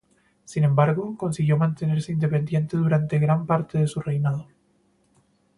Sin embargo, consiguió mantenerse independiente durante gran parte de su reinado.